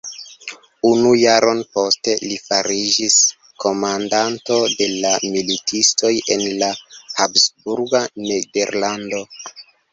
Unu jaron poste, li fariĝis komandanto de la militistoj en la habsburga nederlando.